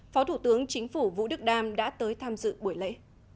phó thủ tướng chính phủ vũ đức đam đã tới tham dự buổi lễ